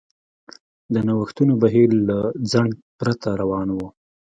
د نوښتونو بهیر له ځنډ پرته روان و.